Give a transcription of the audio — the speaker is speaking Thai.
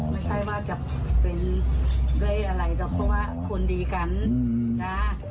ไม่ใช่ว่าจะเป็นด้วยอะไรหรอกเพราะว่าคนดีกันนะ